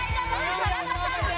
田中さんも。